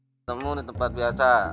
ketemu di tempat biasa